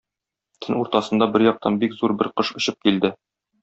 Төн уртасында бер яктан бик зур бер кош очып килде.